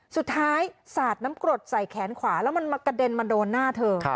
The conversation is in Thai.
สาดน้ำกรดใส่แขนขวาแล้วมันมากระเด็นมาโดนหน้าเธอ